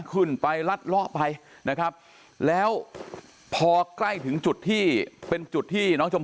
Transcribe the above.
ขึ้นไปรัดเลาะไปนะครับแล้วพอใกล้ถึงจุดที่เป็นจุดที่น้องชม